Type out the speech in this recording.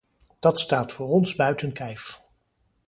Dat staat voor ons buiten kijf.